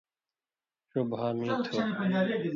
ݜُو بھا مِیں تُھو۔